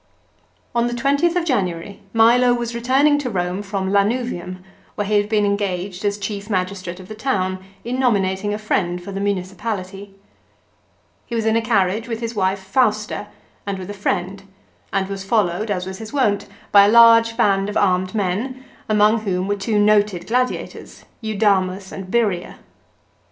On the 20th of January Milo was returning to Kerne MILO. 69 from Lanuvium where he had been engaged as chief magis trate of the town, in nominating a friend for the muncipality. He was in a carriage with his wife Fausta, and with a friend, and was followed, as was his wont, by a large band of armed men, among whom were two noted gladiators, Eudamus and Birria.